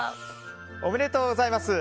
おめでとうございます。